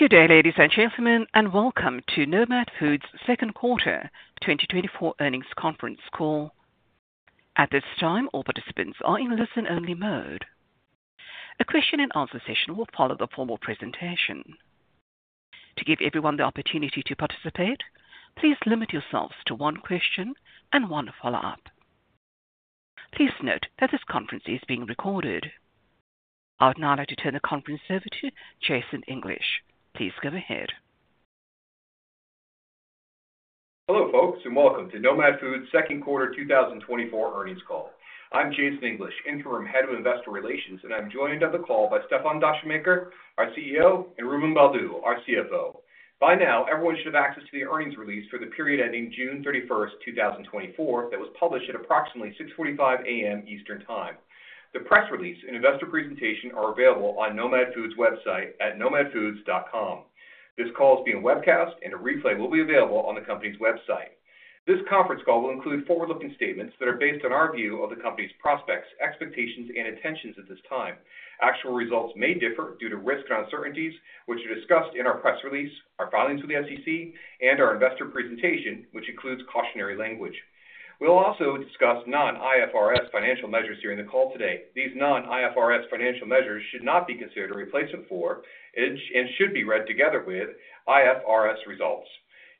Good day, ladies and gentlemen, and welcome to Nomad Foods' second quarter 2024 earnings conference call. At this time, all participants are in listen-only mode. A question and answer session will follow the formal presentation. To give everyone the opportunity to participate, please limit yourselves to one question and one follow-up. Please note that this conference is being recorded. I would now like to turn the conference over to Jason English. Please go ahead. Hello, folks, and welcome to Nomad Foods' second quarter 2024 earnings call. I'm Jason English, Interim Head of Investor Relations, and I'm joined on the call by Stéfan Descheemaeker, our CEO, and Rubén Baldew, our CFO. By now, everyone should have access to the earnings release for the period ending June 31, 2024, that was published at approximately 6:45 A.M. Eastern Time. The press release and investor presentation are available on Nomad Foods' website at nomadfoods.com. This call is being webcast, and a replay will be available on the company's website. This conference call will include forward-looking statements that are based on our view of the company's prospects, expectations, and intentions at this time. Actual results may differ due to risks and uncertainties, which are discussed in our press release, our filings with the SEC, and our investor presentation, which includes cautionary language. We'll also discuss non-IFRS financial measures during the call today. These non-IFRS financial measures should not be considered a replacement for, and should be read together with, IFRS results.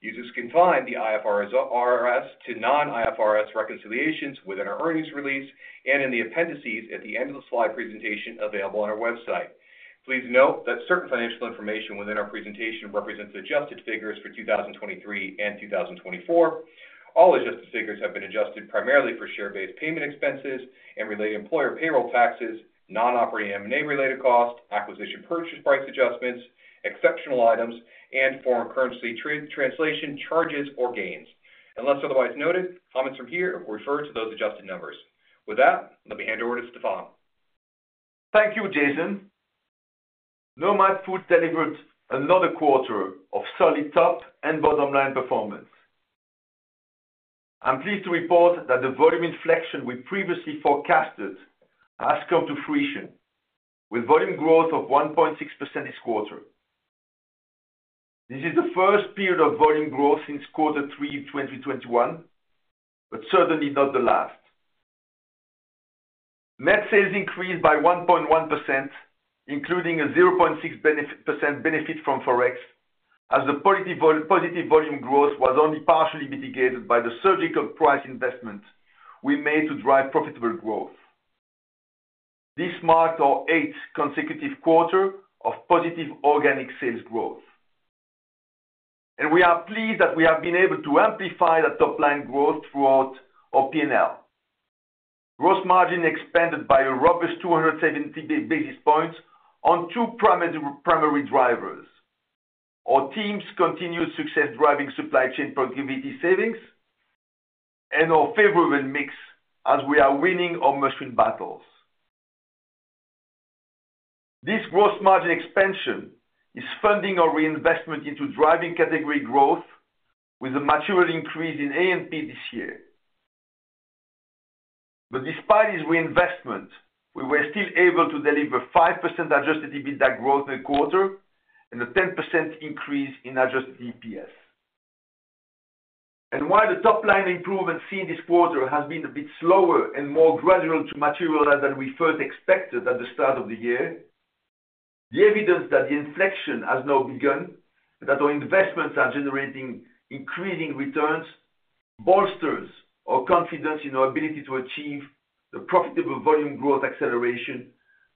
Users can find the IFRS, IFRS to non-IFRS reconciliations within our earnings release and in the appendices at the end of the slide presentation available on our website. Please note that certain financial information within our presentation represents adjusted figures for 2023 and 2024. All adjusted figures have been adjusted primarily for share-based payment expenses and related employer payroll taxes, non-operating M&A-related costs, acquisition purchase price adjustments, exceptional items, and foreign currency translation charges or gains. Unless otherwise noted, comments from here will refer to those adjusted numbers. With that, let me hand over to Stéfan. Thank you, Jason. Nomad Foods delivered another quarter of solid top and bottom line performance. I'm pleased to report that the volume inflection we previously forecasted has come to fruition, with volume growth of 1.6% this quarter. This is the first period of volume growth since quarter three of 2021, but certainly not the last. Net sales increased by 1.1%, including a 0.6% benefit from Forex, as the positive volume growth was only partially mitigated by the surgical price investment we made to drive profitable growth. This marked our eighth consecutive quarter of positive organic sales growth. We are pleased that we have been able to amplify the top line growth throughout our P&L. Gross margin expanded by a robust 270 basis points on two primary, primary drivers: our team's continued success driving supply chain productivity savings and our favorable mix as we are winning our must-win battles. This gross margin expansion is funding our reinvestment into driving category growth with a material increase in A&P this year. Despite this reinvestment, we were still able to deliver 5% adjusted EBITDA growth in the quarter and a 10% increase in adjusted EPS. While the top-line improvement seen this quarter has been a bit slower and more gradual to materialize than we first expected at the start of the year, the evidence that the inflection has now begun, that our investments are generating increasing returns, bolsters our confidence in our ability to achieve the profitable volume growth acceleration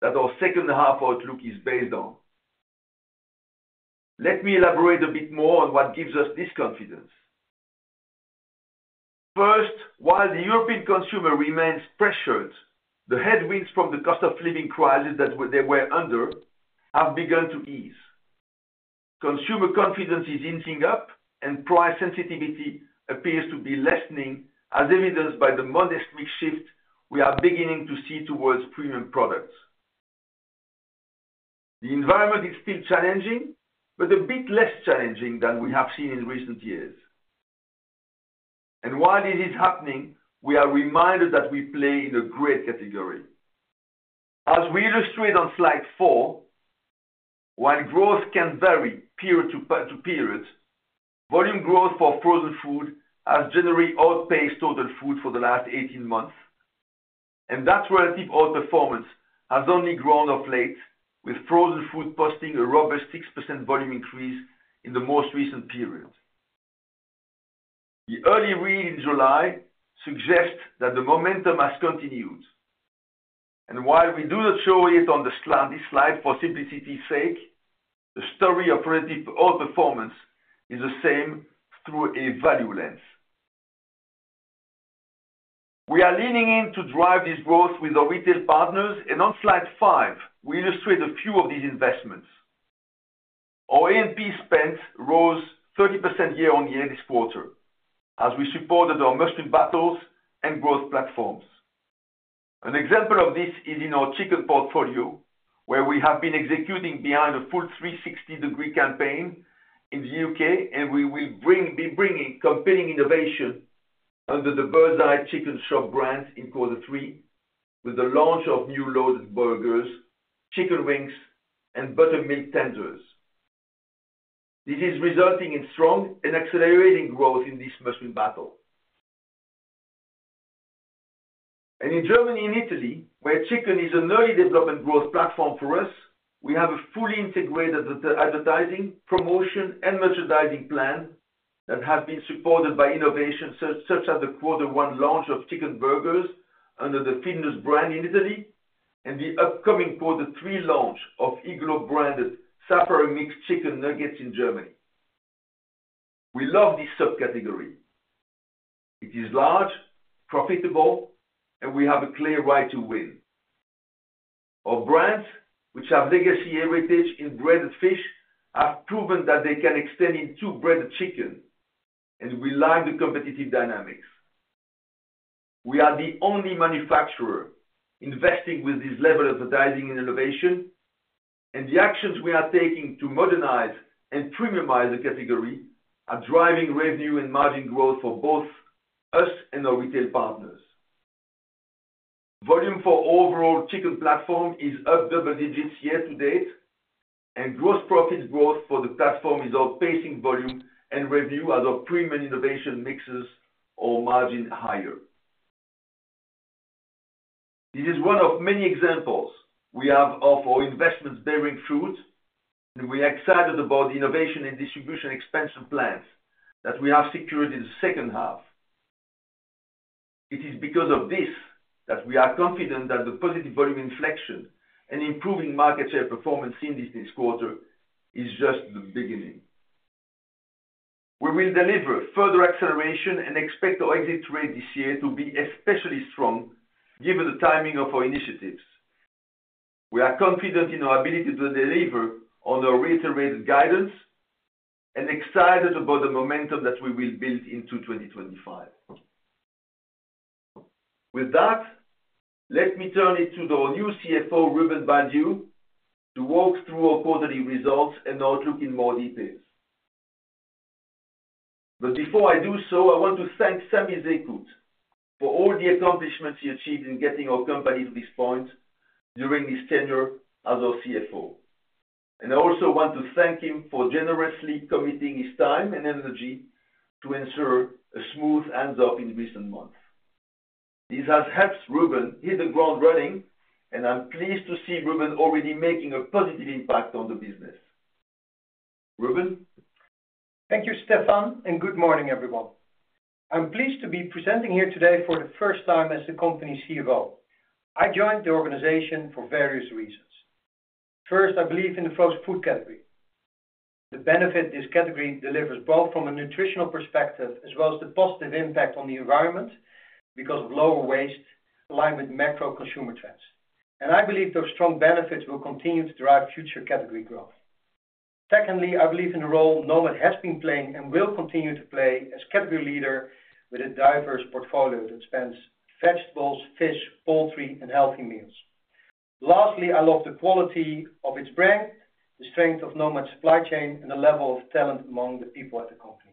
that our second half outlook is based on. Let me elaborate a bit more on what gives us this confidence. First, while the European consumer remains pressured, the headwinds from the cost of living crisis that they were under have begun to ease. Consumer confidence is inching up, and price sensitivity appears to be lessening, as evidenced by the modest mix shift we are beginning to see towards premium products. The environment is still challenging, but a bit less challenging than we have seen in recent years. And while it is happening, we are reminded that we play in a great category. As we illustrate on slide 4, while growth can vary period to period, volume growth for frozen food has generally outpaced other food for the last 18 months, and that relative outperformance has only grown of late, with frozen food posting a robust 6% volume increase in the most recent period. The early read in July suggests that the momentum has continued, and while we do not show it on this slide for simplicity's sake, the story of relative outperformance is the same through a value lens. We are leaning in to drive this growth with our retail partners, and on slide 5, we illustrate a few of these investments. Our A&P spend rose 30% year-on-year this quarter, as we supported our must-win battles and growth platforms. An example of this is in our chicken portfolio, where we have been executing behind a full 360-degree campaign in the UK, and we will be bringing compelling innovation under the Birds Eye Chicken Shop brand in quarter three, with the launch of new loaded burgers, chicken wings, and buttermilk tenders. This is resulting in strong and accelerating growth in this must-win battle. And in Germany and Italy, where chicken is an early development growth platform for us, we have a fully integrated advertising, promotion, and merchandising plan that has been supported by innovation, such as the quarter one launch of chicken burgers under the Findus brand in Italy, and the upcoming quarter three launch of Iglo-branded safari Mix chicken nuggets in Germany. We love this subcategory. It is large, profitable, and we have a clear right to win. Our brands, which have legacy heritage in breaded fish, have proven that they can extend into breaded chicken, and we like the competitive dynamics. We are the only manufacturer investing with this level of advertising and innovation, and the actions we are taking to modernize and premiumize the category are driving revenue and margin growth for both us and our retail partners. Volume for overall chicken platform is up double digits year to date, and gross profit growth for the platform is outpacing volume and revenue as our premium innovation mixes our margin higher. This is one of many examples we have of our investments bearing fruit, and we are excited about the innovation and distribution expansion plans that we have secured in the second half. It is because of this that we are confident that the positive volume inflection and improving market share performance in this quarter is just the beginning. We will deliver further acceleration and expect our exit rate this year to be especially strong, given the timing of our initiatives. We are confident in our ability to deliver on our reiterated guidance and excited about the momentum that we will build into 2025. With that, let me turn it to our new CFO, Rubén Baldew, to walk through our quarterly results and outlook in more details. But before I do so, I want to thank Samy Zekhout for all the accomplishments he achieved in getting our company to this point during his tenure as our CFO. And I also want to thank him for generously committing his time and energy to ensure a smooth handoff in recent months. This has helped Rubén hit the ground running, and I'm pleased to see Rubén already making a positive impact on the business. Rubén? Thank you, Stéfan, and good morning, everyone. I'm pleased to be presenting here today for the first time as the company CFO. I joined the organization for various reasons. First, I believe in the frozen food category. The benefit this category delivers, both from a nutritional perspective as well as the positive impact on the environment because of lower waste, align with macro consumer trends. I believe those strong benefits will continue to drive future category growth. Secondly, I believe in the role Nomad has been playing and will continue to play as category leader with a diverse portfolio that spans vegetables, fish, poultry, and healthy meals. Lastly, I love the quality of its brand, the strength of Nomad's supply chain, and the level of talent among the people at the company.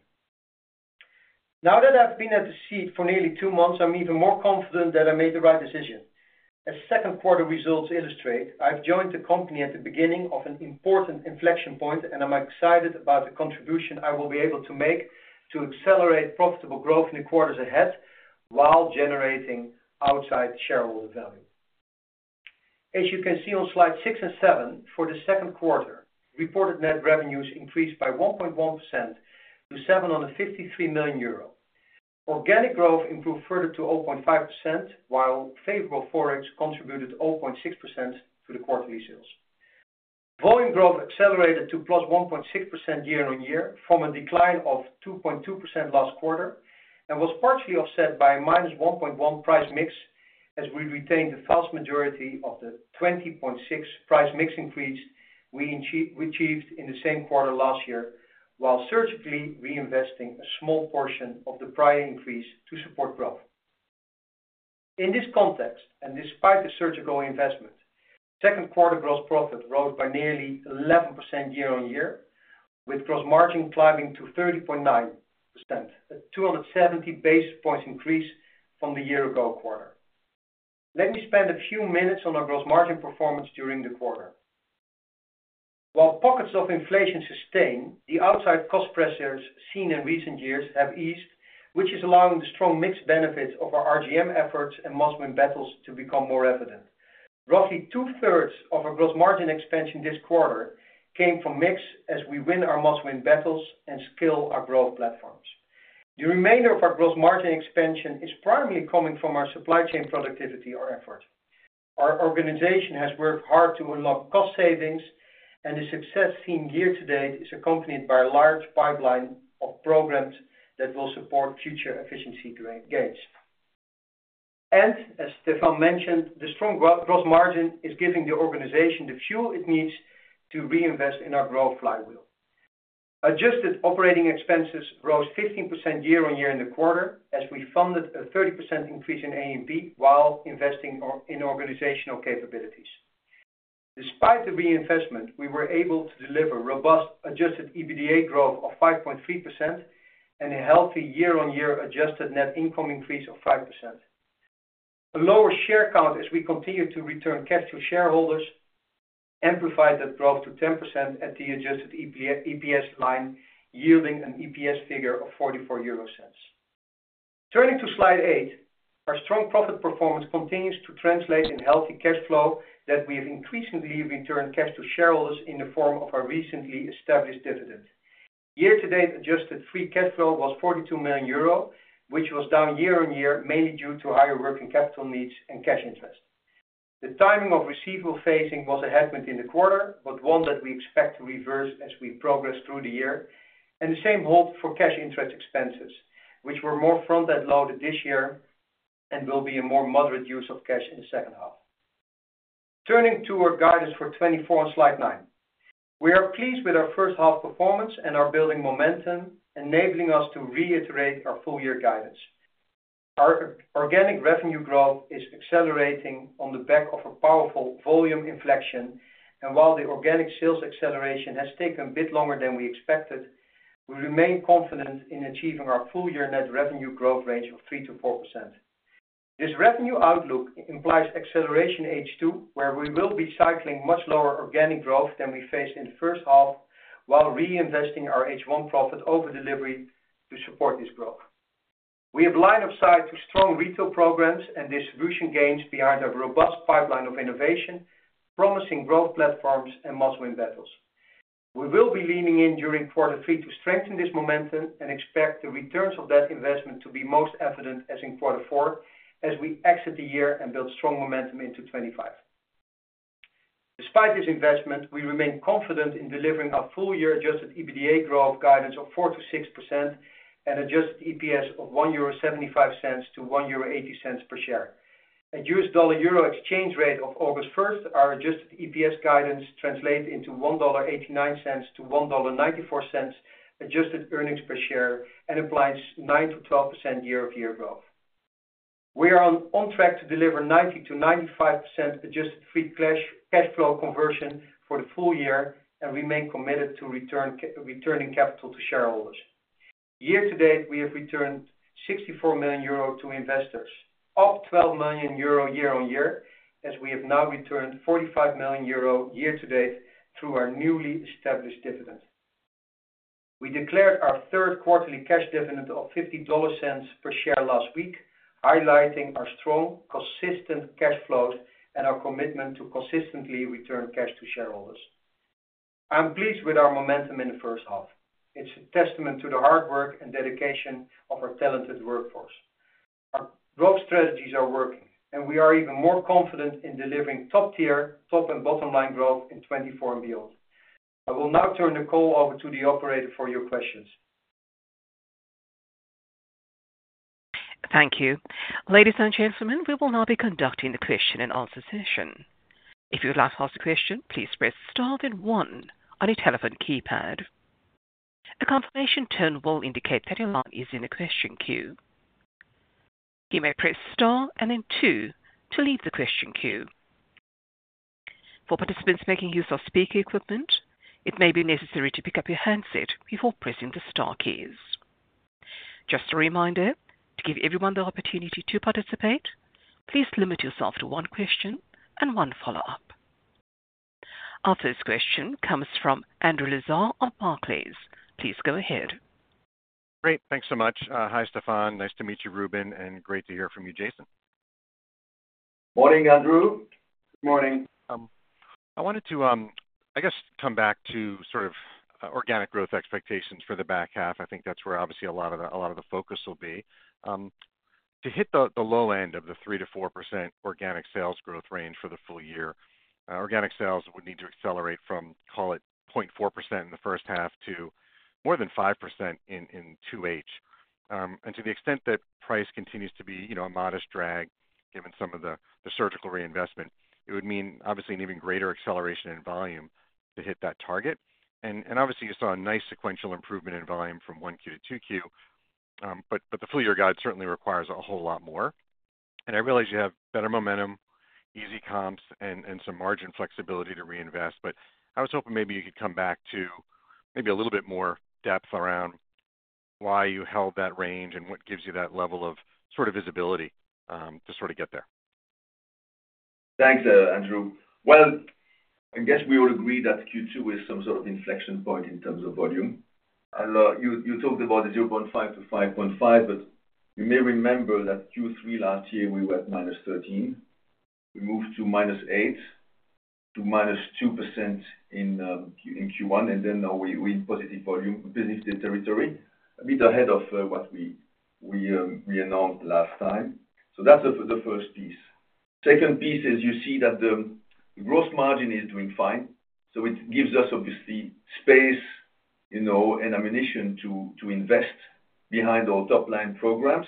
Now that I've been at the seat for nearly two months, I'm even more confident that I made the right decision. As second quarter results illustrate, I've joined the company at the beginning of an important inflection point, and I'm excited about the contribution I will be able to make to accelerate profitable growth in the quarters ahead, while generating outside shareholder value. As you can see on slide 6 and 7, for the second quarter, reported net revenues increased by 1.1% to 753 million euro. Organic growth improved further to 0.5%, while favorable Forex contributed 0.6% to the quarterly sales. Volume growth accelerated to +1.6% year-on-year, from a decline of 2.2% last quarter, and was partially offset by a -1.1 price mix, as we retained the vast majority of the 20.6 price mix increase we achieved in the same quarter last year, while surgically reinvesting a small portion of the price increase to support growth. In this context, and despite the surgical investment, second quarter gross profit rose by nearly 11% year-on-year, with gross margin climbing to 30.9%, a 270 basis points increase from the year-ago quarter. Let me spend a few minutes on our gross margin performance during the quarter. While pockets of inflation sustain, the outside cost pressures seen in recent years have eased, which is allowing the strong mix benefits of our RGM efforts and must-win battles to become more evident. Roughly two-thirds of our gross margin expansion this quarter came from mix as we win our must-win battles and scale our growth platforms. The remainder of our gross margin expansion is primarily coming from our supply chain productivity, our effort. Our organization has worked hard to unlock cost savings, and the success seen year to date is accompanied by a large pipeline of programs that will support future efficiency gains. As Stéfan mentioned, the strong gross margin is giving the organization the fuel it needs to reinvest in our growth flywheel. Adjusted operating expenses rose 15% year-on-year in the quarter, as we funded a 30% increase in A&P, while investing in organizational capabilities. Despite the reinvestment, we were able to deliver robust adjusted EBITDA growth of 5.3% and a healthy year-on-year adjusted net income increase of 5%. A lower share count as we continue to return cash to shareholders amplified that growth to 10% at the adjusted EPS line, yielding an EPS figure of 0.44 EUR. Turning to slide 8, our strong profit performance continues to translate in healthy cash flow that we have increasingly returned cash to shareholders in the form of our recently established dividend. Year-to-date, adjusted free cash flow was 42 million euro, which was down year-on-year, mainly due to higher working capital needs and cash interest. The timing of receivable phasing was a headwind in the quarter, but one that we expect to reverse as we progress through the year, and the same hold for cash interest expenses, which were more front-end loaded this year and will be a more moderate use of cash in the second half. Turning to our guidance for 2024 on slide 9. We are pleased with our first half performance and are building momentum, enabling us to reiterate our full year guidance. Our organic revenue growth is accelerating on the back of a powerful volume inflection, and while the organic sales acceleration has taken a bit longer than we expected, we remain confident in achieving our full year net revenue growth range of 3%-4%. This revenue outlook implies acceleration H2, where we will be cycling much lower organic growth than we faced in the first half, while reinvesting our H1 profit overdelivery to support this growth. We have line of sight to strong retail programs and distribution gains behind a robust pipeline of innovation, promising growth platforms, and must-win battles. We will be leaning in during quarter three to strengthen this momentum and expect the returns of that investment to be most evident in quarter four, as we exit the year and build strong momentum into 2025. Despite this investment, we remain confident in delivering our full-year Adjusted EBITDA growth guidance of 4%-6% and Adjusted EPS of 1.75-1.80 euro per share. At US dollar-euro exchange rate of August first, our adjusted EPS guidance translates into $1.89-$1.94 adjusted earnings per share and implies 9%-12% year-over-year growth. We are on track to deliver 90%-95% adjusted free cash flow conversion for the full year and remain committed to returning capital to shareholders. Year to date, we have returned 64 million euro to investors, up 12 million euro year-over-year, as we have now returned 45 million euro year to date through our newly established dividend. We declared our third quarterly cash dividend of $0.50 per share last week, highlighting our strong, consistent cash flows and our commitment to consistently return cash to shareholders. I'm pleased with our momentum in the first half. It's a testament to the hard work and dedication of our talented workforce. Our growth strategies are working, and we are even more confident in delivering top-tier, top and bottom line growth in 2024 and beyond. I will now turn the call over to the operator for your questions. Thank you. Ladies and gentlemen, we will now be conducting the question and answer session. If you'd like to ask a question, please press star, then one on your telephone keypad. A confirmation tone will indicate that your line is in the question queue. You may press Star and then two to leave the question queue. For participants making use of speaker equipment, it may be necessary to pick up your handset before pressing the star keys. Just a reminder, to give everyone the opportunity to participate, please limit yourself to one question and one follow-up. Our first question comes from Andrew Lazar of Barclays. Please go ahead. Great. Thanks so much. Hi, Stéfan. Nice to meet you, Rubén, and great to hear from you, Jason. Morning, Andrew. Good morning. I wanted to, I guess, come back to sort of organic growth expectations for the back half. I think that's where obviously a lot of the, lot of the focus will be. To hit the low end of the 3%-4% organic sales growth range for the full year, organic sales would need to accelerate from, call it 0.4% in the first half to more than 5% in 2H. To the extent that price continues to be, you know, a modest drag, given some of the surgical reinvestment, it would mean obviously an even greater acceleration in volume to hit that target. Obviously, you saw a nice sequential improvement in volume from 1Q to 2Q, but the full year guide certainly requires a whole lot more. I realize you have better momentum, easy comps, and some margin flexibility to reinvest, but I was hoping maybe you could come back to maybe a little bit more depth around why you held that range and what gives you that level of sort of visibility to sort of get there. Thanks, Andrew. Well, I guess we all agree that Q2 is some sort of inflection point in terms of volume. You talked about the 0.5-5.5, but you may remember that Q3 last year, we were at -13. We moved to -8, to -2% in Q1, and then now we're in positive volume business territory, a bit ahead of what we announced last time. So that's the first piece. Second piece is you see that the gross margin is doing fine, so it gives us, obviously, space, you know, and ammunition to invest behind our top-line programs.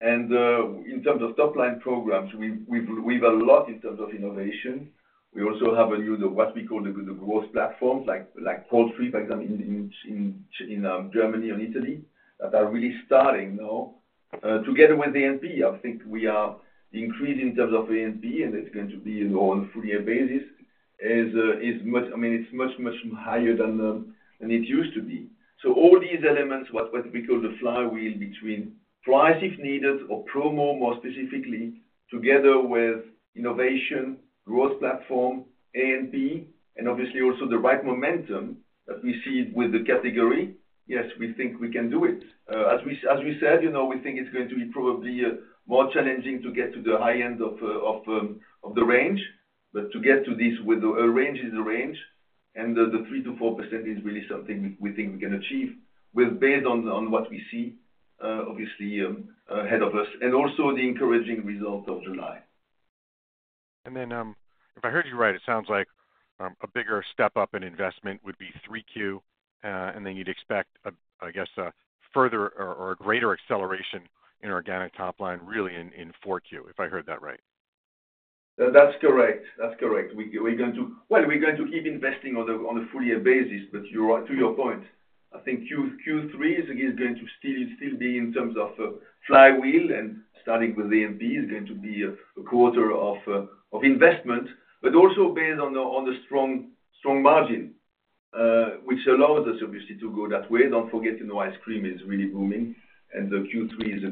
In terms of top-line programs, we've a lot in terms of innovation. We also have a new, what we call the growth platforms, like poultry, for example, in Germany and Italy, that are really starting now. Together with the A&P, I think we are increasing in terms of A&P, and it's going to be on a full year basis, is much, I mean, it's much, much higher than it used to be. So all these elements, what we call the flywheel between price, if needed, or promo, more specifically, together with innovation, growth platform, A&P, and obviously also the right momentum that we see with the category, yes, we think we can do it. As we said, you know, we think it's going to be probably more challenging to get to the high end of the range, but to get to this with a range is a range, and the 3%-4% is really something we think we can achieve with based on what we see, obviously, ahead of us, and also the encouraging result of July. Then, if I heard you right, it sounds like a bigger step up in investment would be Q3, and then you'd expect, I guess, a further or a greater acceleration in organic top line, really, in Q4, if I heard that right. That's correct. That's correct. Well, we're going to keep investing on a full year basis, but you are, to your point, I think Q3 is going to still be in terms of flywheel and starting with A&P, is going to be a quarter of investment, but also based on the strong margin, which allows us, obviously, to go that way. Don't forget, you know, ice cream is really booming, and Q3 is a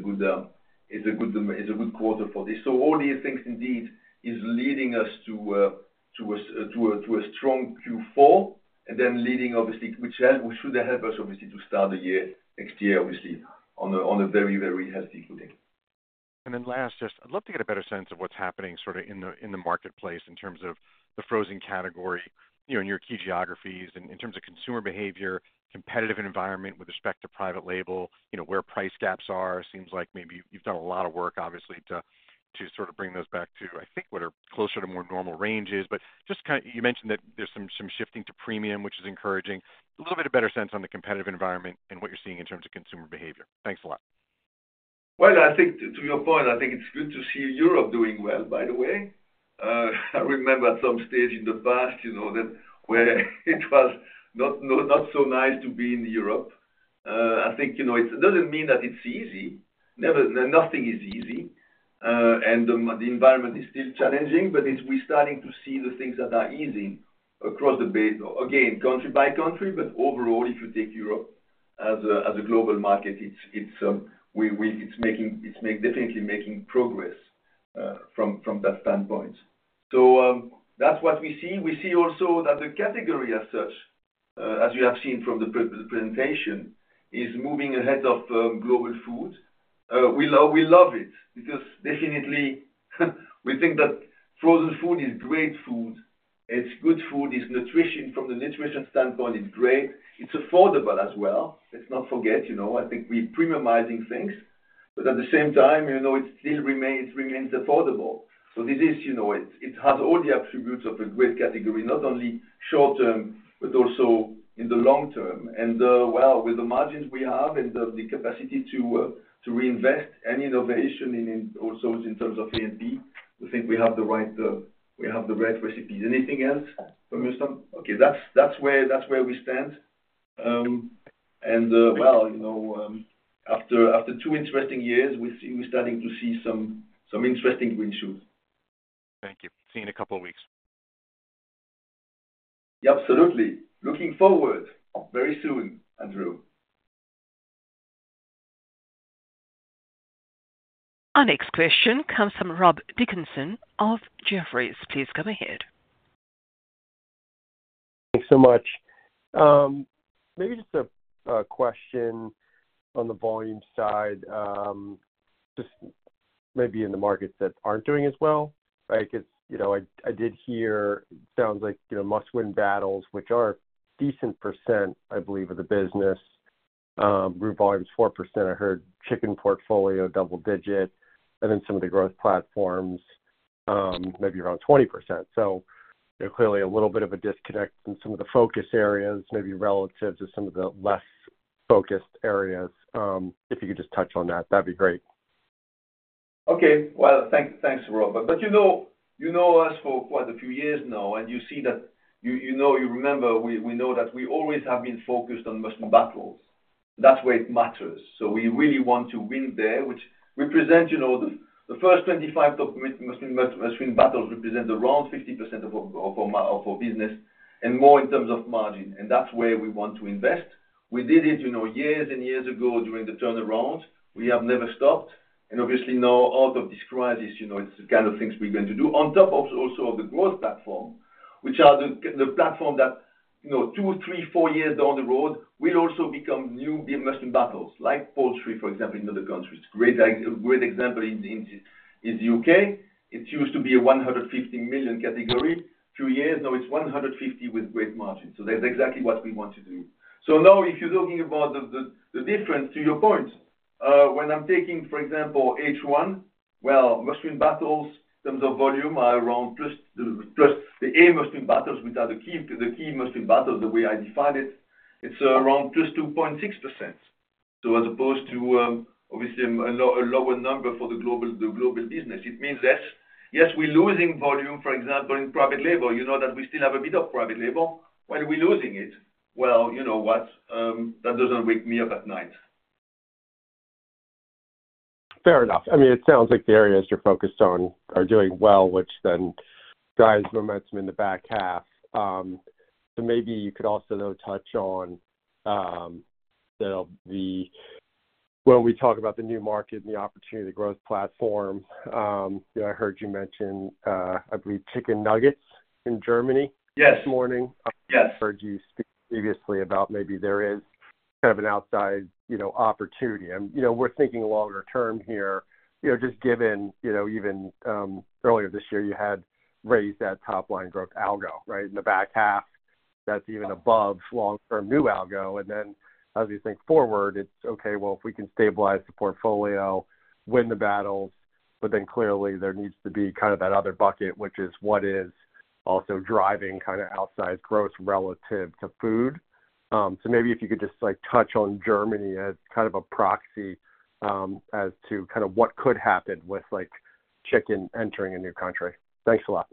good quarter for this. So all these things, indeed, is leading us to a strong Q4, and then leading obviously, which should help us, obviously, to start the year, next year, obviously, on a very healthy footing. And then last, just, I'd love to get a better sense of what's happening sort of in the marketplace in terms of the frozen category, you know, in your key geographies and in terms of consumer behavior, competitive environment with respect to private label, you know, where price gaps are. Seems like maybe you've done a lot of work, obviously, to sort of bring those back to, I think, what are closer to more normal ranges. But just you mentioned that there's some shifting to premium, which is encouraging. A little bit of better sense on the competitive environment and what you're seeing in terms of consumer behavior. Thanks a lot. Well, I think to your point, I think it's good to see Europe doing well, by the way. I remember at some stage in the past, you know, that where it was not so nice to be in Europe. I think, you know, it doesn't mean that it's easy. Nothing is easy, and the environment is still challenging, but it's. We're starting to see the things that are easing across the base. Again, country by country, but overall, if you take Europe as a global market, it's definitely making progress from that standpoint. So, that's what we see. We see also that the category as such, as you have seen from the presentation, is moving ahead of global food. We love, we love it because definitely, we think that frozen food is great food. It's good food, it's nutrition. From the nutrition standpoint, it's great. It's affordable as well. Let's not forget, you know, I think we're premiumizing things, but at the same time, you know, it still remains, remains affordable. So this is, you know, it, it has all the attributes of a great category, not only short term, but also in the long term. And, well, with the margins we have and the, the capacity to, to reinvest any innovation in, in also in terms of A&P, we think we have the right, we have the right recipes. Anything else from you, Tom? Okay, that's, that's where, that's where we stand. Well, you know, after two interesting years, we're starting to see some interesting green shoots. Thank you. See you in a couple of weeks. Absolutely. Looking forward. Very soon, Andrew. Our next question comes from Rob Dickerson of Jefferies. Please go ahead. Thanks so much. Maybe just a question on the volume side, just maybe in the markets that aren't doing as well, right? Because, you know, I did hear, it sounds like, you know, Must-Win Battles, which are a decent percent, I believe, of the business. Group volume is 4%. I heard chicken portfolio, double-digit, and then some of the growth platforms, maybe around 20%. So there's clearly a little bit of a disconnect in some of the focus areas, maybe relative to some of the less focused areas. If you could just touch on that, that'd be great. Okay. Well, thanks, thanks, Rob. But, but you know, you know us for quite a few years now, and you see that... You, you know, you remember, we, we know that we always have been focused on Must-Win Battles. That way, it matters. So we really want to win there, which represent, you know, the, the first 25 top Must-Win Battles represent around 50% of our, of our mar- of our business and more in terms of margin, and that's where we want to invest. We did it, you know, years and years ago during the turnaround. We have never stopped. And obviously, now, out of this crisis, you know, it's the kind of things we're going to do. On top of, also, the growth platforms, which are the platforms that, you know, 2, 3, 4 years down the road, will also become new Must-Win Battles, like poultry, for example, in other countries. Great example in the UK, it used to be a 150 million category. 2 years, now it's 150 million with great margins. So that's exactly what we want to do. So now, if you're talking about the difference, to your point, when I'm taking, for example, H1, well, Must-Win Battles, in terms of volume, are around +2.6% for the Must-Win Battles, which are the key Must-Win Battles, the way I define it, it's around +2.6%. So as opposed to, obviously, a lower number for the global, the global business. It means that, yes, we're losing volume, for example, in private label. You know that we still have a bit of private label. Why are we losing it? Well, you know what? That doesn't wake me up at night. ... Fair enough. I mean, it sounds like the areas you're focused on are doing well, which then drives momentum in the back half. So maybe you could also, though, touch on when we talk about the new market and the opportunity, the growth platform. I heard you mention, I believe chicken nuggets in Germany- Yes. -this morning. Yes. I heard you speak previously about maybe there is kind of an outside, you know, opportunity. And, you know, we're thinking longer term here, you know, just given, you know, even earlier this year, you had raised that top line growth algo, right? In the back half, that's even above long-term new algo. And then as you think forward, it's okay, well, if we can stabilize the portfolio, win the battles, but then clearly there needs to be kind of that other bucket, which is what is also driving outside growth relative to food. So maybe if you could just, like, touch on Germany as kind of a proxy, as to kind of what could happen with, like, chicken entering a new country. Thanks a lot.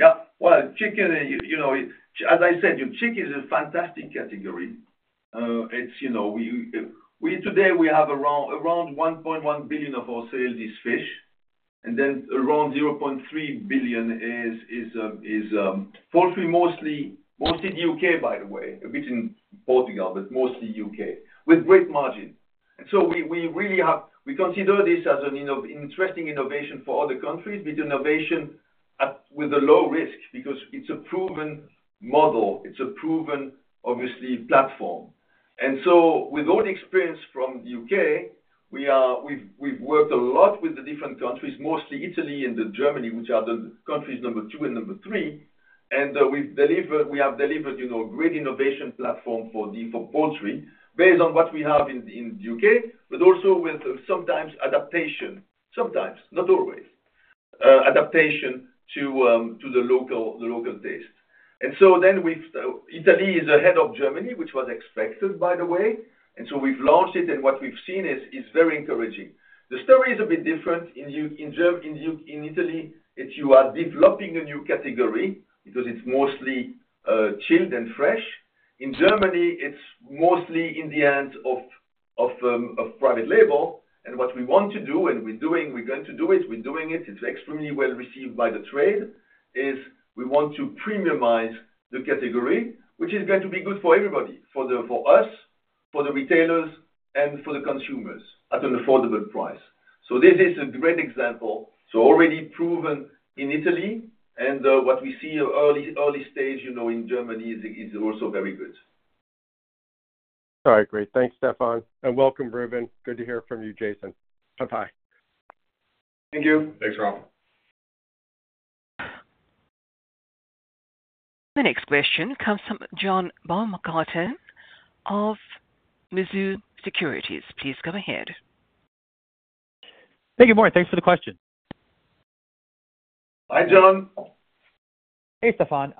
Yeah. Well, chicken, you know, as I said, chicken is a fantastic category. It's, you know, we, we-- today, we have around, around 1.1 billion of our sales is fish, and then around 0.3 billion is, is, poultry, mostly, mostly U.K., by the way, a bit in Portugal, but mostly U.K., with great margin. And so we, we really have-- we consider this as an interesting innovation for other countries, with innovation at, with a low risk, because it's a proven model, it's a proven, obviously, platform. And so with own experience from the U.K., we are, we've worked a lot with the different countries, mostly Italy and the Germany, which are the countries number two and number three. And, we've delivered, we have delivered a great innovation platform for the, for poultry, based on what we have in, in the UK, but also with sometimes adaptation. Sometimes, not always, adaptation to, to the local, the local taste. And so then we've... Italy is ahead of Germany, which was expected, by the way, and so we've launched it, and what we've seen is, is very encouraging. The story is a bit different in Italy, that you are developing a new category because it's mostly, chilled and fresh. In Germany, it's mostly in the hands of private label, and what we want to do, and we're doing, we're going to do it, we're doing it, it's extremely well received by the trade, is we want to premiumize the category, which is going to be good for everybody, for the, for us, for the retailers and for the consumers at an affordable price. So this is a great example. So already proven in Italy, and what we see early, early stage, you know, in Germany is also very good. All right, great. Thanks, Stéfan, and welcome, Rubén. Good to hear from you, Jason. Bye-bye. Thank you. Thanks, Rob. The next question comes from John Baumgartner of Mizuho Securities. Please go ahead. Thank you, Maureen. Thanks for the question. Hi, John. Hey, Stéfan.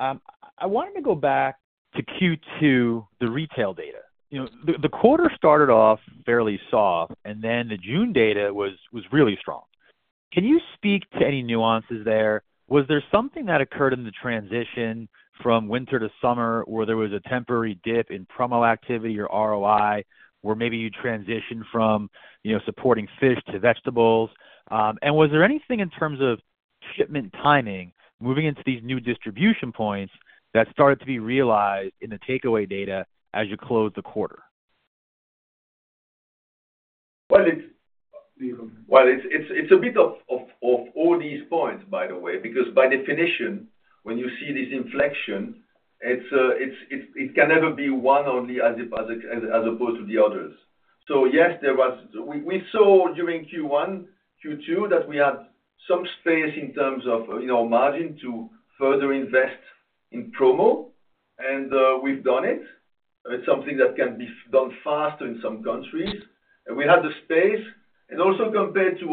I wanted to go back to Q2, the retail data. You know, the quarter started off fairly soft, and then the June data was really strong. Can you speak to any nuances there? Was there something that occurred in the transition from winter to summer, where there was a temporary dip in promo activity or ROI, where maybe you transitioned from, you know, supporting fish to vegetables? And was there anything in terms of shipment timing, moving into these new distribution points, that started to be realized in the takeaway data as you closed the quarter? Well, it's a bit of all these points, by the way, because by definition, when you see this inflection, it can never be one only as opposed to the others. So yes, there was. We saw during Q1, Q2, that we had some space in terms of, you know, margin to further invest in promo, and we've done it. It's something that can be done faster in some countries, and we have the space. And also compared to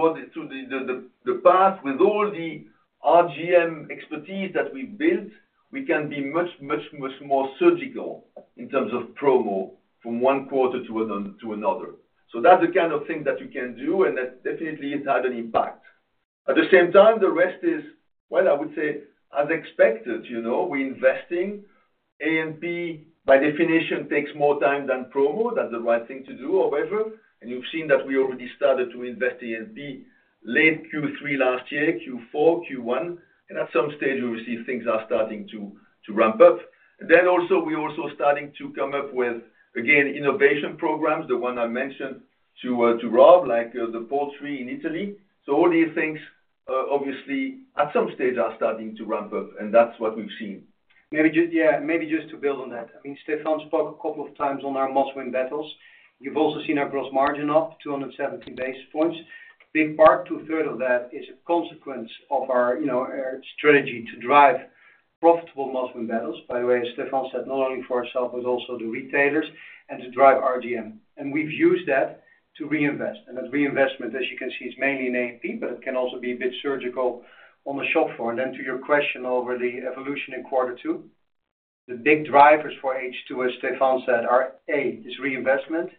the past, with all the RGM expertise that we've built, we can be much, much, much more surgical in terms of promo from one quarter to another. So that's the kind of thing that you can do, and that definitely it had an impact. At the same time, the rest is, well, I would say, as expected, you know, we're investing. A&B, by definition, takes more time than promo. That's the right thing to do, however, and you've seen that we already started to invest A&B late Q3 last year, Q4, Q1, and at some stage, obviously, things are starting to ramp up. Then also, we're also starting to come up with, again, innovation programs, the one I mentioned to Rob, like the poultry in Italy. So all these things, obviously, at some stage, are starting to ramp up, and that's what we've seen. Maybe just, yeah, maybe just to build on that. I mean, Stéfan spoke a couple of times on our Must-Win Battles. You've also seen our gross margin up 270 basis points. Big part, two-thirds of that is a consequence of our, you know, our strategy to drive profitable Must-Win Battles, by the way, Stéfan said, not only for ourselves, but also the retailers, and to drive RGM. And we've used that to reinvest. And that reinvestment, as you can see, is mainly in A&P, but it can also be a bit surgical on the shop floor. And then to your question over the evolution in quarter two?... The big drivers for H2, as Stéfan said, are, A, is reinvestment,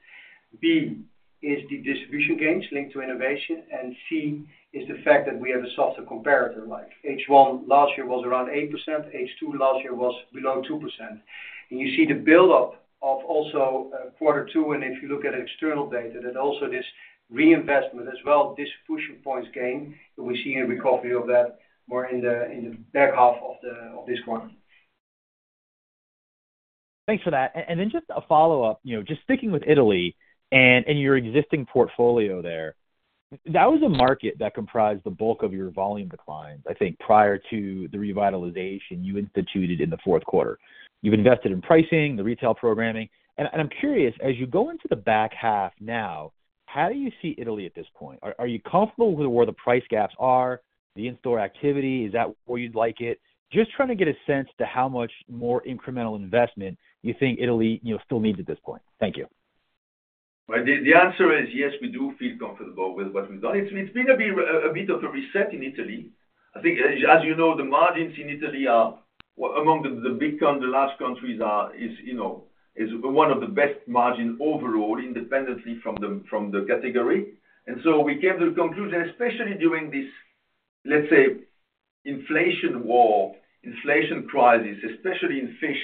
B, is the distribution gains linked to innovation, and C, is the fact that we have a softer comparator life. H1 last year was around 8%, H2 last year was below 2%. And you see the buildup of also, quarter two, and if you look at external data, that also this reinvestment as well, distribution points gain, we're seeing a recovery of that more in the, in the back half of the, of this quarter. Thanks for that. And then just a follow-up, you know, just sticking with Italy and your existing portfolio there, that was a market that comprised the bulk of your volume declines, I think, prior to the revitalization you instituted in the fourth quarter. You've invested in pricing, the retail programming, and I'm curious, as you go into the back half now, how do you see Italy at this point? Are you comfortable with where the price gaps are, the in-store activity, is that where you'd like it? Just trying to get a sense to how much more incremental investment you think Italy, you know, still needs at this point. Thank you. Well, the answer is, yes, we do feel comfortable with what we've done. It's been a bit of a reset in Italy. I think, as you know, the margins in Italy are, well, among the large countries, is one of the best margin overall, independently from the category. And so we came to the conclusion, especially during this, let's say, inflation war, inflation crisis, especially in fish,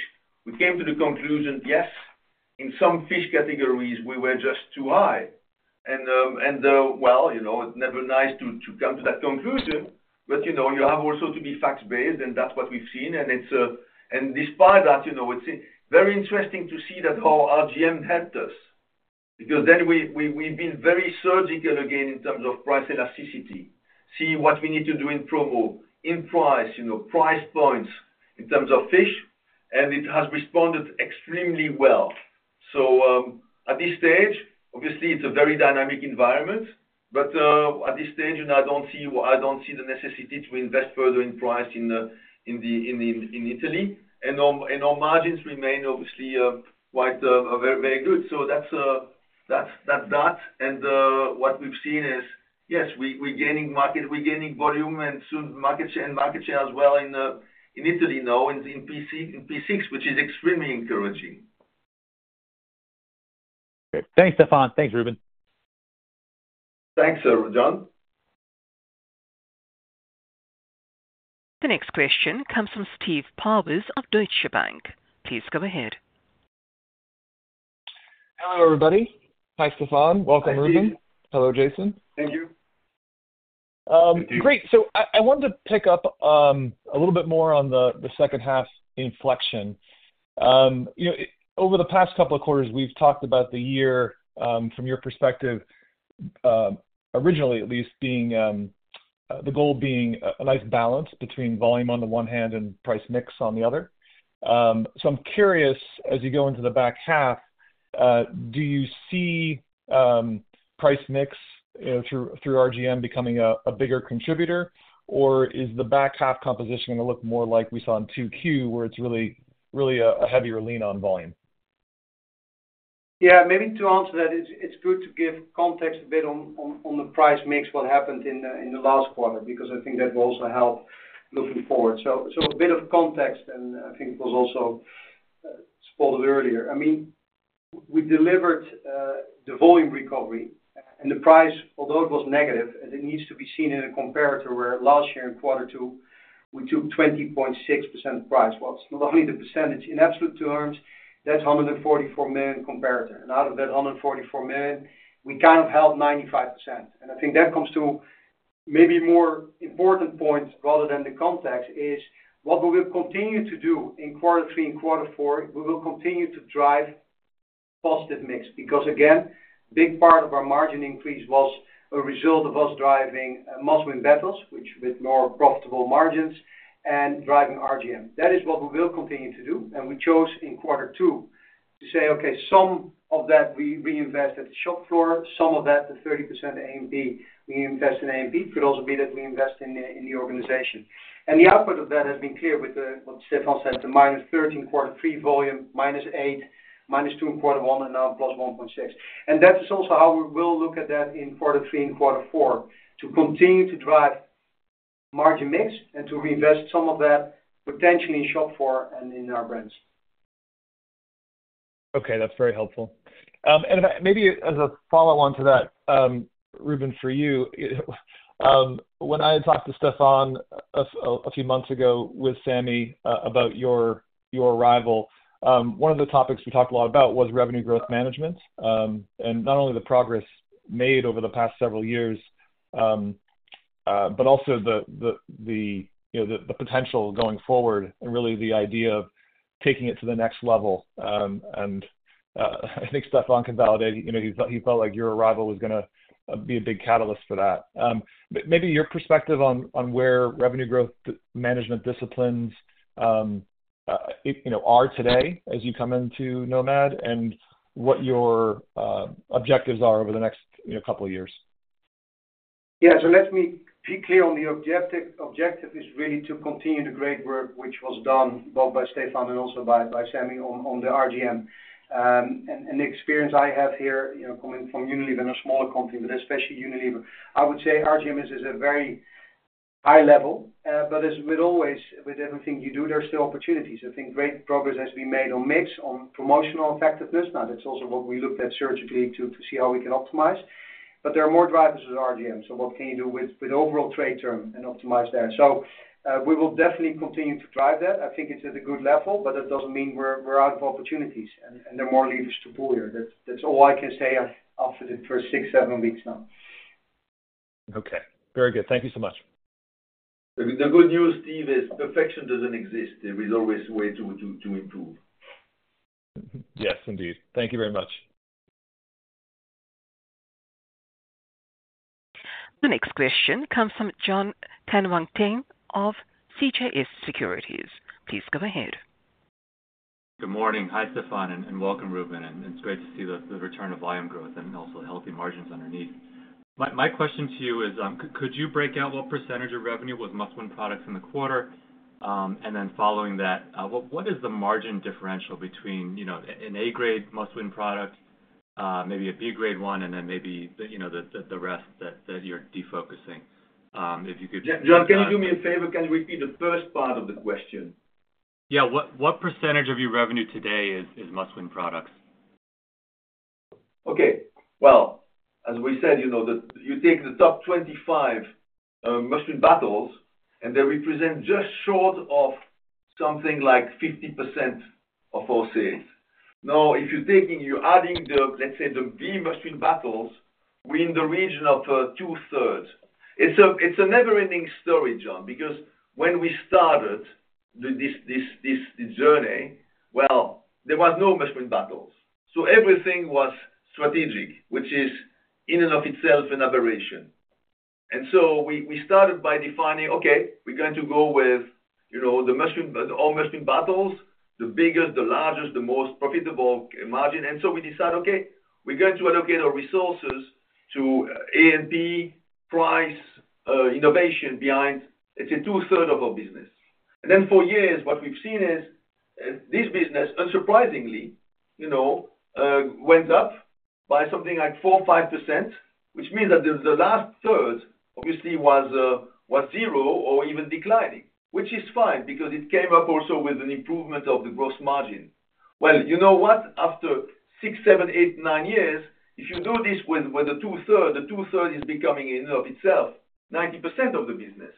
we came to the conclusion, yes, in some fish categories, we were just too high. And, well, you know, it's never nice to come to that conclusion, but, you know, you have also to be fact-based, and that's what we've seen. And it's. And despite that, you know, it's very interesting to see that how RGM helped us. Because then we, we've been very surgical again in terms of price elasticity, seeing what we need to do in promo, in price, you know, price points in terms of fish, and it has responded extremely well. So, at this stage, obviously, it's a very dynamic environment, but at this stage, you know, I don't see the necessity to invest further in price in Italy. And our margins remain, obviously, quite very, very good. So that's that. And what we've seen is, yes, we're gaining market, we're gaining volume, and soon market share, and market share as well in Italy, now in P6, which is extremely encouraging. Great. Thanks, Stéfan. Thanks, Rubén. Thanks, John. The next question comes from Steve Powers of Deutsche Bank. Please go ahead. Hello, everybody. Hi, Stéfan. Hi, Steve. Welcome, Rubén. Hello, Jason. Thank you. Thank you. Great. So I wanted to pick up a little bit more on the second half inflection. You know, over the past couple of quarters, we've talked about the year from your perspective, originally at least being the goal being a nice balance between volume on the one hand and price mix on the other. So I'm curious, as you go into the back half, do you see price mix through RGM becoming a bigger contributor, or is the back half composition going to look more like we saw in 2Q, where it's really, really a heavier lean on volume? Yeah, maybe to answer that, it's good to give context a bit on the price mix, what happened in the last quarter, because I think that will also help looking forward. So a bit of context, and I think it was also spotted earlier. I mean, we delivered the volume recovery and the price, although it was negative, it needs to be seen in a comparator, where last year in quarter two, we took 20.6% price. Well, it's not only the percentage, in absolute terms, that's 144 million comparator. And out of that 144 million, we kind of held 95%. And I think that comes to maybe more important points rather than the context, is what we will continue to do in quarter three and quarter four, we will continue to drive positive mix. Because, again, big part of our margin increase was a result of us driving must-win battles, which with more profitable margins and driving RGM. That is what we will continue to do, and we chose in quarter two to say, "Okay, some of that we reinvest at the shop floor, some of that, the 30% A&P, we invest in A&P, could also be that we invest in the, in the organization." And the output of that has been clear with the, what Stéfan said, the -13 quarter three volume, -8, -2 in quarter one, and now +1.6. And that is also how we will look at that in quarter three and quarter four, to continue to drive margin mix and to reinvest some of that potentially in shop floor and in our brands. Okay, that's very helpful. And maybe as a follow-on to that, Rubén, for you, when I talked to Stéfan a few months ago with Samy, about your arrival, one of the topics we talked a lot about was revenue growth management, and not only the progress made over the past several years, but also, you know, the potential going forward and really the idea of taking it to the next level. And I think Stéfan can validate, you know, he felt like your arrival was gonna be a big catalyst for that. But maybe your perspective on where revenue growth management disciplines, you know, are today as you come into Nomad and what your objectives are over the next, you know, couple of years. Yeah, so let me be clear on the objective. Objective is really to continue the great work, which was done both by Stéfan and also by Samy on the RGM. And the experience I have here, you know, coming from Unilever and a smaller company, but especially Unilever, I would say RGM is a very-... high level, but as with always, with everything you do, there are still opportunities. I think great progress has been made on mix, on promotional effectiveness, now that's also what we looked at surgically to see how we can optimize. But there are more drivers with RGM, so what can you do with overall trade term and optimize there? So, we will definitely continue to drive that. I think it's at a good level, but that doesn't mean we're out of opportunities, and there are more levers to pull here. That's all I can say after the first 6-7 weeks now. Okay, very good. Thank you so much. The good news, Steve, is perfection doesn't exist. There is always a way to improve. Yes, indeed. Thank you very much. The next question comes from John Tanwanteng of CJS Securities. Please go ahead. Good morning. Hi, Stéfan, and welcome, Rubén, and it's great to see the return of volume growth and also healthy margins underneath. My question to you is, could you break out what percentage of revenue was must-win products in the quarter? And then following that, what is the margin differential between, you know, an A-grade must-win product, maybe a B-grade one, and then maybe the, you know, the rest that you're defocusing? If you could- John, can you do me a favor? Can you repeat the first part of the question? Yeah. What percentage of your revenue today is must-win products? Okay. Well, as we said, you know, the top 25 must-win battles, and they represent just short of something like 50% of our sales. Now, if you're taking, you're adding the, let's say, the B must-win battles, we're in the region of two-thirds. It's a never-ending story, John, because when we started this journey, well, there was no must-win battles, so everything was strategic, which is in and of itself an aberration. And so we started by defining, okay, we're going to go with, you know, the must-win, all must-win battles, the biggest, the largest, the most profitable margin. And so we decide, okay, we're going to allocate our resources to A and B price innovation behind, let's say, two-thirds of our business. Then for years, what we've seen is this business, unsurprisingly, you know, went up by something like 4-5%, which means that the last third obviously was zero or even declining, which is fine, because it came up also with an improvement of the gross margin. Well, you know what? After 6-9 years, if you do this with the two-thirds, the two-thirds is becoming in and of itself 90% of the business.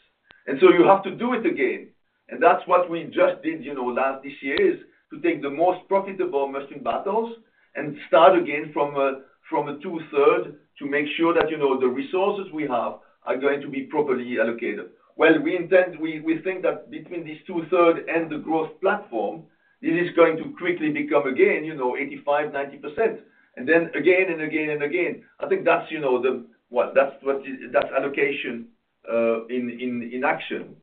And so you have to do it again, and that's what we just did, you know, this year, is to take the most profitable Must-Win Battles and start again from a two-thirds to make sure that, you know, the resources we have are going to be properly allocated. Well, we intend, we think that between this two-thirds and the Growth Platform, this is going to quickly become again, you know, 85%-90%, and then again and again and again. I think that's, you know, the what, that's what, that's allocation in action.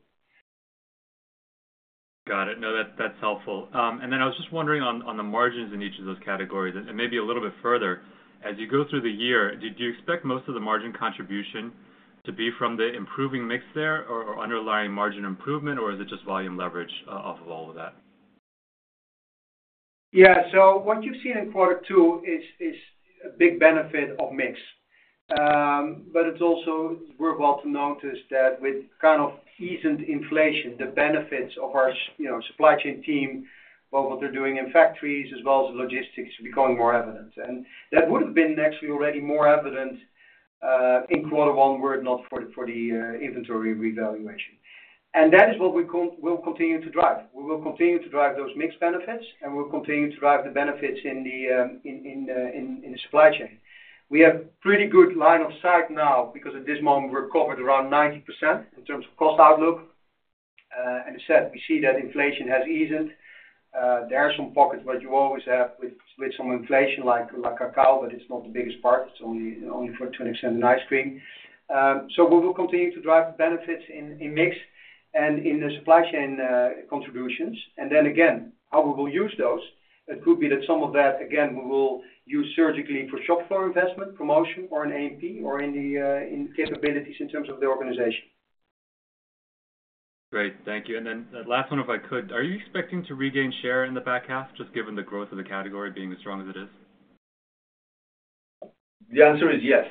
Got it. No, that's helpful. And then I was just wondering on the margins in each of those categories, and maybe a little bit further, as you go through the year, do you expect most of the margin contribution to be from the improving mix there, or underlying margin improvement, or is it just volume leverage off of all of that? Yeah. So what you've seen in quarter two is a big benefit of mix. But it's also worthwhile to notice that with kind of easing inflation, the benefits of our, you know, supply chain team, both what they're doing in factories as well as logistics, becoming more evident. And that would have been actually already more evident in quarter one were it not for the inventory revaluation. And that is what we'll continue to drive. We will continue to drive those mix benefits, and we'll continue to drive the benefits in the supply chain. We have pretty good line of sight now because at this moment, we're covered around 90% in terms of cost outlook, and instead we see that inflation has eased. There are some pockets, but you always have with, with some inflation, like, like cacao, but it's not the biggest part. It's only, only for 20% in ice cream. So we will continue to drive the benefits in, in mix and in the supply chain, contributions. And then again, how we will use those, it could be that some of that, again, we will use surgically for shop floor investment, promotion, or in A&P, or in the, in capabilities in terms of the organization. Great, thank you. And then the last one, if I could: Are you expecting to regain share in the back half, just given the growth of the category being as strong as it is? The answer is yes.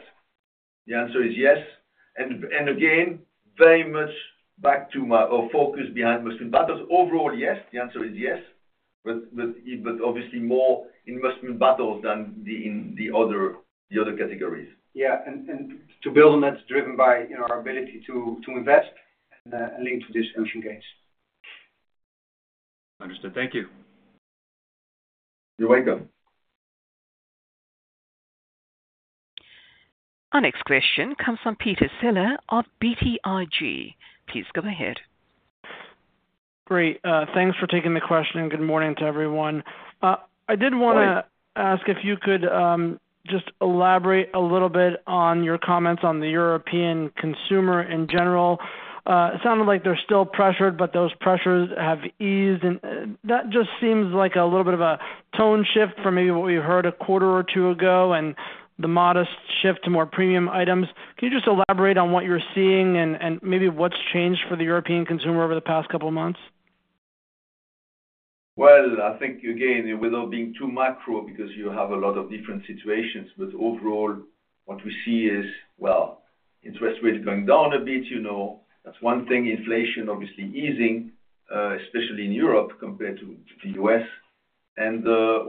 The answer is yes, and, and again, very much back to my, our focus behind Must-Win Battles. Overall, yes, the answer is yes, but, but, but obviously more in Must-Win Battles than the, in the other, the other categories. Yeah, and to build on that, it's driven by, you know, our ability to invest and link to this Ocean Gains. Understood. Thank you. You're welcome. Our next question comes from Peter Saleh of BTIG. Please go ahead. Great. Thanks for taking the question, and good morning to everyone. I did wanna- Hi. Ask if you could just elaborate a little bit on your comments on the European consumer in general. It sounded like they're still pressured, but those pressures have eased, and that just seems like a little bit of a tone shift from maybe what we heard a quarter or two ago, and the modest shift to more premium items. Can you just elaborate on what you're seeing and maybe what's changed for the European consumer over the past couple of months? Well, I think, again, without being too macro, because you have a lot of different situations, but overall, what we see is, well, interest rates going down a bit, you know. That's one thing. Inflation obviously easing, especially in Europe compared to US. And,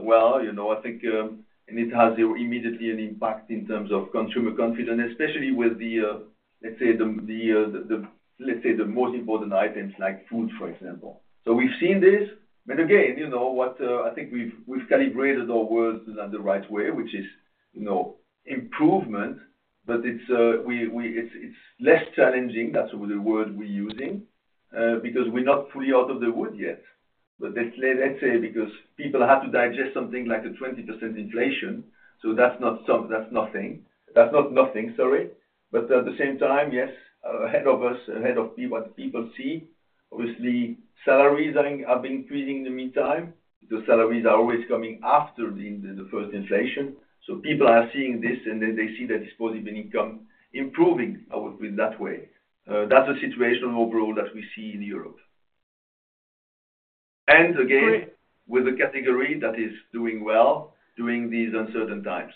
well, you know, I think, and it has immediately an impact in terms of consumer confidence, especially with the, let's say, the most important items like food, for example. So we've seen this, but again, you know what, I think we've calibrated our words in the right way, which is, you know, improvement, but it's less challenging. That's the word we're using, because we're not fully out of the wood yet. But let's say, because people have to digest something like a 20% inflation, so that's not some-- that's nothing. That's not nothing, sorry. But at the same time, yes, ahead of us, what people see, obviously, salaries are, have been increasing in the meantime. The salaries are always coming after the first inflation. So people are seeing this, and then they see their disposable income improving, I would, in that way. That's the situation overall that we see in Europe. And again, with a category that is doing well, during these uncertain times.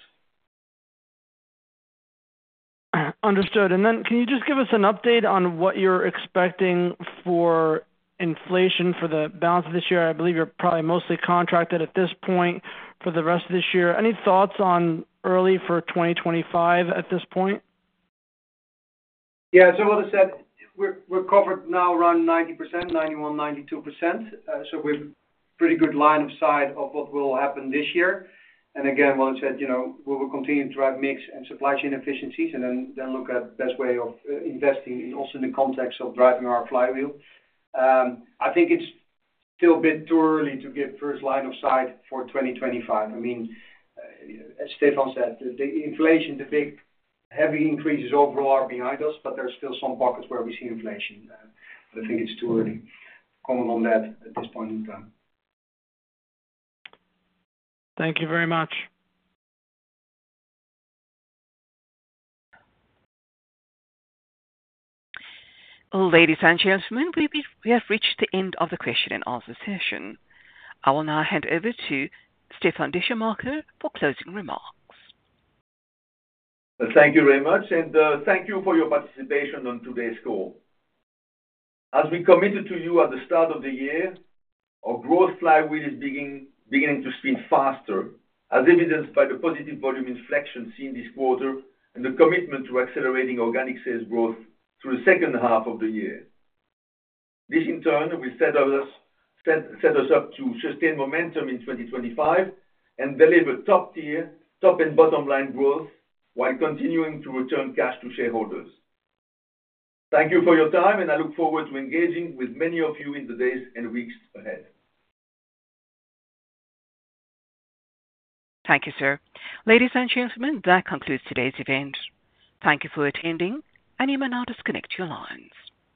Understood. And then, can you just give us an update on what you're expecting for inflation for the balance of this year? I believe you're probably mostly contracted at this point for the rest of this year. Any thoughts on early for 2025 at this point? Yeah, so as I said, we're covered now around 90%, 91%, 92%. So we've pretty good line of sight of what will happen this year. And again, well said, you know, we will continue to drive mix and supply chain efficiencies and then look at best way of investing in also in the context of driving our flywheel. I think it's still a bit too early to give first line of sight for 2025. I mean, as Stéfan said, the inflation, the big heavy increases overall are behind us, but there are still some pockets where we see inflation. I think it's too early to comment on that at this point in time. Thank you very much. Ladies and gentlemen, we have reached the end of the question and answer session. I will now hand over to Stéfan Descheemaeker for closing remarks. Thank you very much, and thank you for your participation on today's call. As we committed to you at the start of the year, our growth flywheel is beginning to spin faster, as evidenced by the positive volume inflection seen this quarter and the commitment to accelerating organic sales growth through the second half of the year. This, in turn, will set us up to sustain momentum in 2025 and deliver top-tier top and bottom line growth, while continuing to return cash to shareholders. Thank you for your time, and I look forward to engaging with many of you in the days and weeks ahead. Thank you, sir. Ladies and gentlemen, that concludes today's event. Thank you for attending, and you may now disconnect your lines.